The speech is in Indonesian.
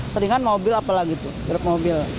seringan mobil apalah gitu grup mobil